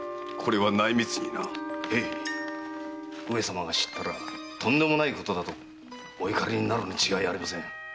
へい上様が知ったらとんでもないことだとお怒りになるに違いありません。